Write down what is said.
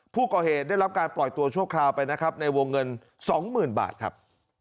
ผู้ก่อเหตุได้รับการปล่อยตัวชั่วคราวไปนะครับในวงเงิน๒๐๐๐บาทครับ